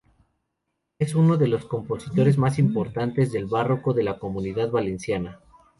Es uno de los compositores más importantes del barroco de la Comunidad Valenciana.